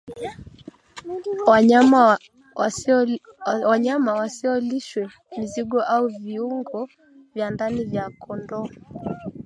Wanyama wasilishwe mizoga au viungo vya ndani vya kondoo